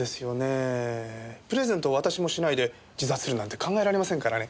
えプレゼントを渡しもしないで自殺するなんて考えられませんからね。